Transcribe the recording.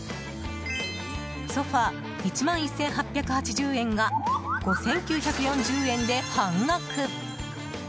ソファ１万１８８０円が５９４０円で半額！